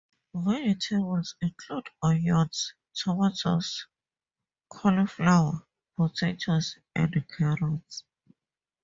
Vegetables include onions, tomatoes, cauliflower, potatoes and carrots.